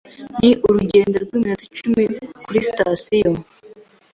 Ni urugendo rw'iminota icumi kuri sitasiyo.